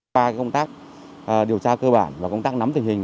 qua công tác điều tra cơ bản và công tác nắm tình hình